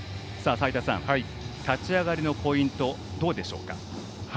齋田さん、立ち上がりのポイントどうでしょうか？